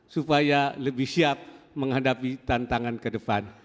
supaya lebih siap menghadapi tantangan ke depan